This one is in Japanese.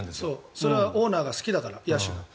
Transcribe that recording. それはオーナーが好きだから、野手が。